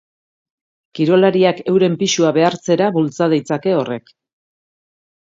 Kirolariak euren pisua behartzera bultza ditzake horrek.